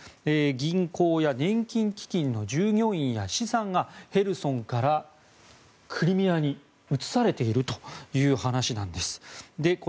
銀行や年金基金の従業員や資産がヘルソンからクリミアに移されているという話なんです。